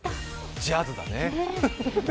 ジャズだね。